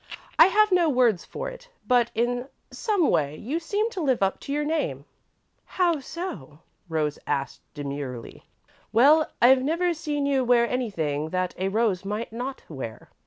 I have no words for it, but, in some way, you seem to live up to your name." "How so?" Rose asked, demurely. "Well, I've never seen you wear anything that a rose might not wear.